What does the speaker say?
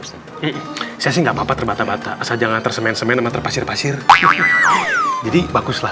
saya sih nggak papa terbata bata saja ngeter semen semen emang terpasir pasir jadi baguslah